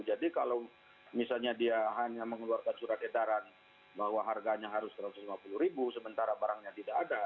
jadi kalau misalnya dia hanya mengeluarkan surat edaran bahwa harganya harus rp satu ratus lima puluh sementara barangnya tidak ada